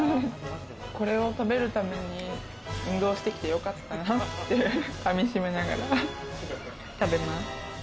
これを食べるために運動してきてよかったなって、かみしめながら食べます。